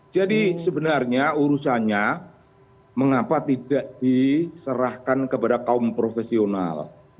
jadi sebenarnya urusannya mengapa tidak diserahkan kepada kaum profesional